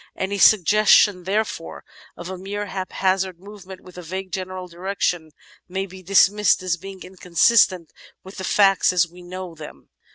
Any suggestion, therefore, of a mere haphazard movement with a vague general direction may be dismissed as being inconsistent with the facts as we know them.